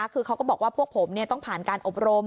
คือเขาก็บอกว่าพวกผมต้องผ่านการอบรม